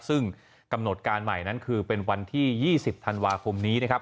ซึ่งกำหนดการใหม่นั้นคือเป็นวันที่๒๐ธันวาคมนี้นะครับ